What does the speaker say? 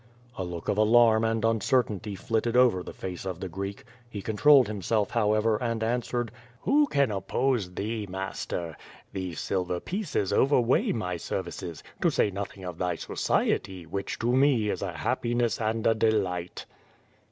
A look of alarm and uncertainty flitted over the face of the Greek. He controlled himself, however, and answered: *^Who can oppose thee, master! These silver pieces over weigh my services, to say nothing of thy society, which to me is a happiness and a delight."